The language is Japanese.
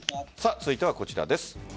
続いてはこちらです。